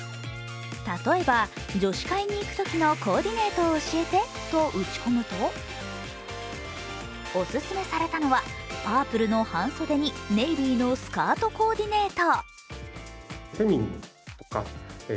例えば、「女子会に行くときのコーディネートを教えて」と打ち込むと、お勧めされたのは、パープルの半袖にネイビーのスカートコーディネート。